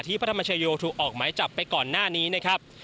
พระธรรมชโยถูกออกหมายจับไปก่อนหน้านี้นะครับ